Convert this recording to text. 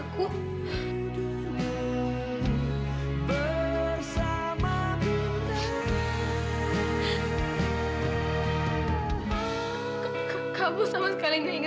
kenapa gue ada di sini